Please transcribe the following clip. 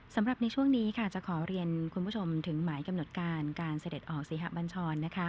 สำหรับในช่วงนี้จะขอเรียนคุณผู้ชมถึงหมายกำหนดการการเสด็จออกศรีหะบัญชร